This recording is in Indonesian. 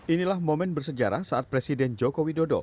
inilah momen bersejarah saat presiden joko widodo